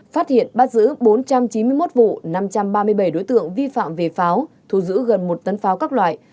phát hiện bắt giữ bốn trăm chín mươi một vụ năm trăm ba mươi bảy đối tượng vi phạm về pháo thu giữ gần một tấn pháo các loại